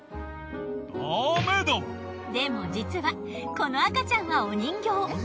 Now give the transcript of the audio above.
でも実はこの赤ちゃんはお人形。